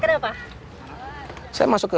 kenapa saya masuk ke